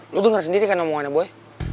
lo denger sendiri kan omongannya boy